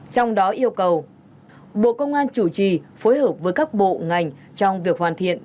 trong đó yêu cầu bộ công an chủ trì phối hợp với các bộ ngành trong việc hoàn thiện